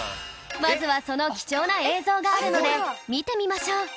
まずはその貴重な映像があるので見てみましょう